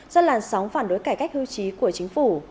do làn sóng phản đối cải cách hưu trí của chính phủ